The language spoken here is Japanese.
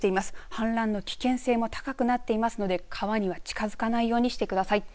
氾濫の危険性も高くなっていますので川には近づかないようにしてください。